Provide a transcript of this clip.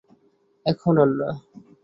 এখন আর না।